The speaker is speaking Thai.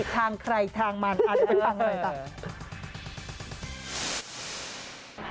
ทางใครทางมันทางอะไรต่อ